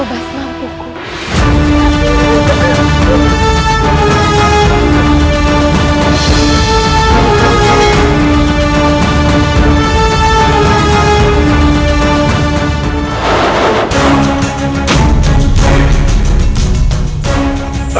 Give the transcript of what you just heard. uit tak ada